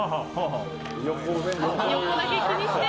横だけ気にして。